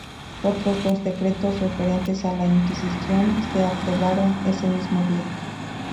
Otros dos decretos referentes a la Inquisición se aprobaron ese mismo día.